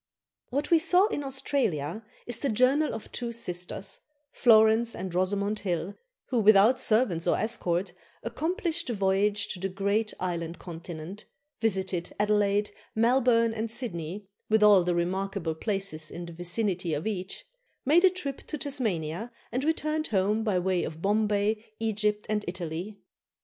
"What We Saw in Australia" is the journal of two sisters, Florence and Rosamond Hill, who, without servants or escort, accomplished the voyage to the great island continent; visited Adelaide, Melbourne, and Sydney, with all the remarkable places in the vicinity of each; made a trip to Tasmania, and returned home by way of Bombay, Egypt, and Italy.